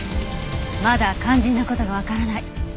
まだ肝心な事がわからない。